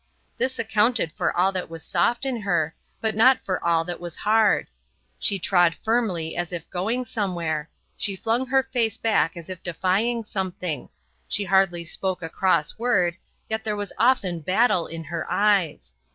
This accounted for all that was soft in her, but not for all that was hard. She trod firmly as if going somewhere; she flung her face back as if defying something; she hardly spoke a cross word, yet there was often battle in her eyes.